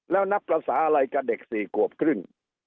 แล้วนับภาษาอะไรกับเด็ก๔ขวบครึ่ง